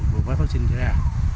một vụ phá phá sinh ra